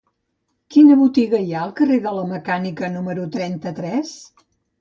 Quina botiga hi ha al carrer de la Mecànica número trenta-tres?